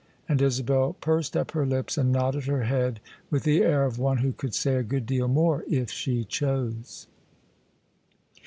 And Isabel pursed up her lips and nodded her head with the air of one who could say a good deal more if she chose.